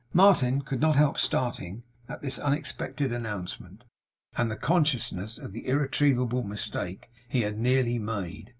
Martin could not help starting at this unexpected announcement, and the consciousness of the irretrievable mistake he had nearly made.